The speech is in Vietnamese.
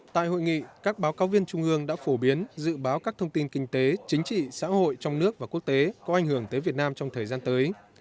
tại hội nghị các báo cáo viên trung ương đã phổ biến dự báo các thông tin kinh tế chính trị xã hội trong nước và quốc tế có ảnh hưởng tới việt nam trong thời gian tới